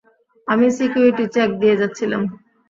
আমি security check দিয়ে যাচ্ছিলাম।